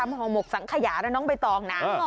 พ่อหมกสังขยาแล้วน้องไปตองนะ